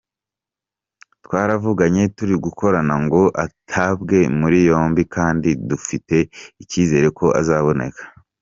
Twaravuganye, turi gukorana ngo atabwe muri yombi kandi dufite icyizere ko azaboneka.